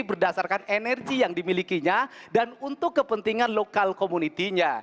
berdasarkan energi yang dimilikinya dan untuk kepentingan lokal komunitinya